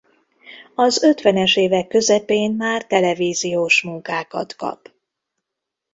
Az ötvenes évek közepén már televíziós munkákat kap.